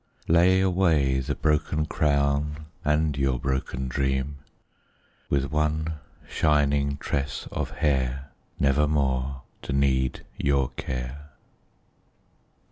Lay away the broken crown And your broken dream, With one shining tress of hair, Nevermore to need your care.